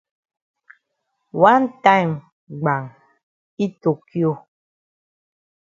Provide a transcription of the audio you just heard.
Wan time gbam yi tokio.